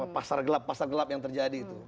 pasar gelap pasar gelap yang terjadi itu